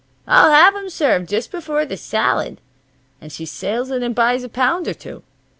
'I'll have 'em served just before the salad.' And she sails in and buys a pound or two.